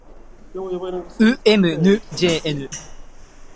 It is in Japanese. う ｍ ぬ ｊｎ